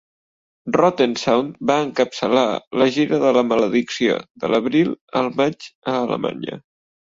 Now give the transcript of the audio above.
Rotten Sound va encapçalar la "Gira de la maledicció" de l'abril al maig a Alemanya.